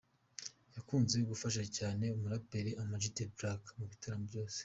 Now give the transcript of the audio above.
Yakunze gufasha cyane umuraperi Ama G The Black mu bitaramo byose .